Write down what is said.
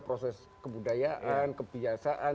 proses kebudayaan kebiasaan